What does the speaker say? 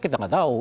kita tidak tahu